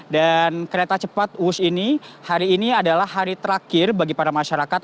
dan kereta cepat wush ini hari ini adalah hari terakhir bagi para masyarakat